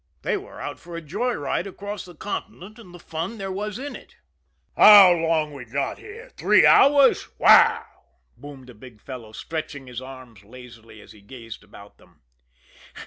They were out for a joy ride across the continent and the fun there was in it. "How long we got here? Three hours? Wow!" boomed a big fellow, stretching his arms lazily as he gazed about him.